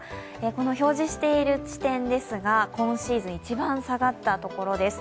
この表示している地点ですが、今シーズン一番下がったところです。